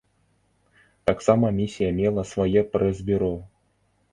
Таксама місія мела свае прэс-бюро.